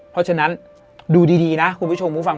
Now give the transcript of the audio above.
เพราะฉะนั้นดูดีนะคุณผู้ชมผู้ฟัง